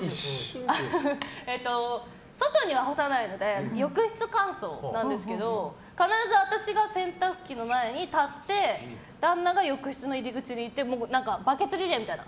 外には干さないので浴室乾燥なんですけど必ず私が洗濯機の前に立って旦那が浴室の入り口にいてバケツリレーみたいな。